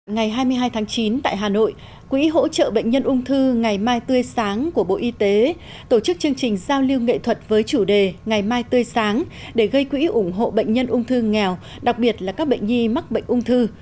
ngày hai mươi hai tháng chín tại hà nội quỹ hỗ trợ bệnh nhân ung thư ngày mai tươi sáng của bộ y tế tổ chức chương trình giao lưu nghệ thuật với chủ đề ngày mai tươi sáng để gây quỹ ủng hộ bệnh nhân ung thư nghèo đặc biệt là các bệnh nhi mắc bệnh ung thư